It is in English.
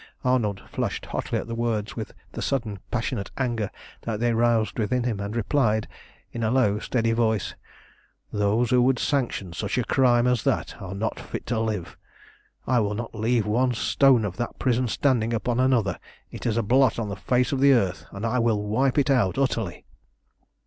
Arnold flushed hotly at the words with the sudden passionate anger that they roused within him, and replied in a low, steady voice "Those who would sanction such a crime as that are not fit to live. I will not leave one stone of that prison standing upon another. It is a blot on the face of the earth, and I will wipe it out utterly!"